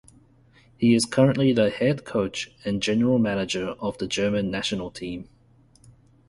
He is currently the head coach and general manager of the German national team.